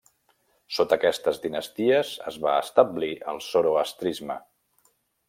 Sota aquestes dinasties es va establir el zoroastrisme.